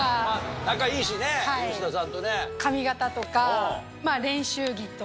仲いいしね吉田さんとね。